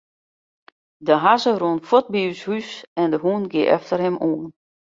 De hazze rûn fuort by ús hús en de hûn gie efter him oan.